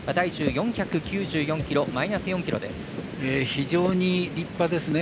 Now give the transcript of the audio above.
非常に立派ですね。